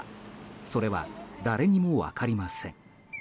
それは、誰にも分かりません。